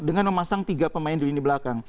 dengan memasang tiga pemain di lini belakang